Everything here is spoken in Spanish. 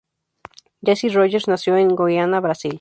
Jessie Rogers nació en Goiânia, Brasil.